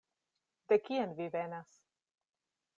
De kien vi venas?